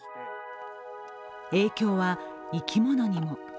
影響は生き物にも。